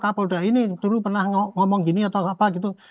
kapolda ini dulu pernah ngomong gini atau apa gitu